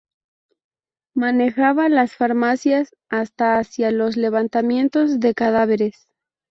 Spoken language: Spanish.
Manejaba las farmacias, hasta hacía los levantamientos de cadáveres.